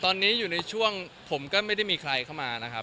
ตอนนี้อยู่ในช่วงผมก็ไม่ได้มีใครเข้ามานะครับ